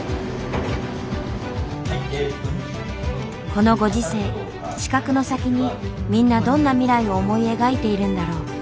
このご時世資格の先にみんなどんな未来を思い描いているんだろう？